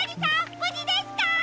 ぶじですか？